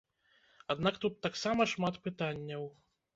Аднак тут таксама шмат пытанняў.